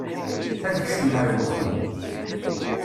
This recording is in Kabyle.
Ad kecmen ar wexxam.